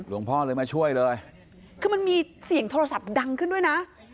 พ่อเลยมาช่วยเลยคือมันมีเสียงโทรศัพท์ดังขึ้นด้วยนะ